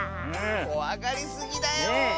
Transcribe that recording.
こわがりすぎだよ。